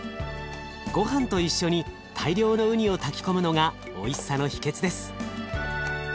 ごはんと一緒に大量のうにを炊き込むのがおいしさの秘けつです。